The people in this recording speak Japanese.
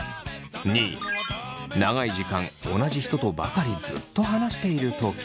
２位長い時間同じ人とばかりずっと話しているとき。